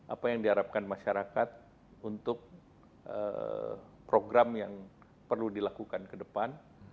apa yang diharapkan masyarakat untuk program yang perlu dilakukan ke depan